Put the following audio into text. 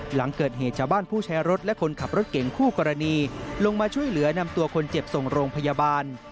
หลังเกิดเหตุชาวบ้านผู้ใช้รถและคนขับรถเก่งคู่กรณีลงมาช่วยเหลือนำตัวคนเจ็บส่งโรงพยาบาล